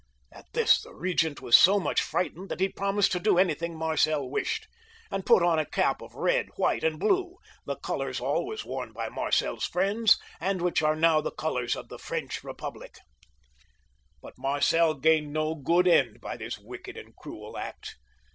At this the regent was so much frightened, that he promised to do anything Marcel wished, and put on a cap of red, white, and blue, the colours always worn by Marcel's friends, and which are now the colours of the French Eepublic. But Marcel gained no good end by this wicked and cruel act.